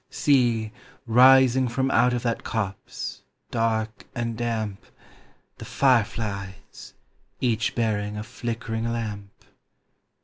See, rising from out of that copse, dark and damp, The fire flies, each bearing a flickering lamp!